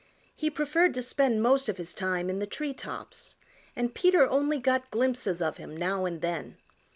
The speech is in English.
He preferred to spend most of his time in the tree tops, and Peter only got glimpses of him now and then.